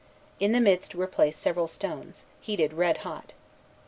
In the midst were placed several stones, heated red hot.